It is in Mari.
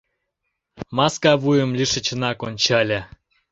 Маска вуйым лишычынак ончале.